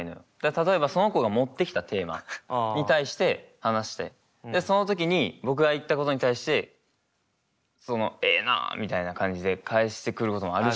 例えばその子が持ってきたテーマに対して話してその時に僕が言ったことに対して「ええな」みたいな感じで返してくることもあるし。